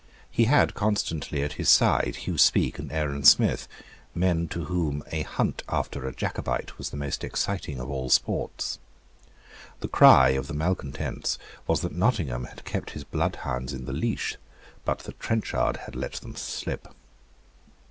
He had constantly at his side Hugh Speke and Aaron Smith, men to whom a hunt after a Jacobite was the most exciting of all sports. The cry of the malecontents was that Nottingham had kept his bloodhounds in the leash, but that Trenchard had let them slip.